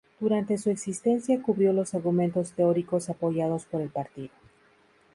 Durante su existencia cubrió los argumentos teóricos apoyados por el partido.